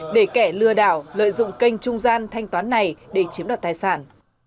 để kẻ lừa đảo lợi dụng kênh trung gian thanh toán này để chiếm đoạt tài sản